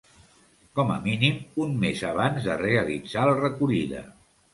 Com a mínim un mes abans de realitzar la recollida.